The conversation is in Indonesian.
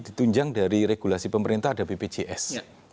ditunjang dari regulasi pemerintah ada bpjs